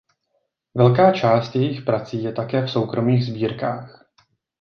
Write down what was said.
Velká část jejích prací je také v soukromých sbírkách.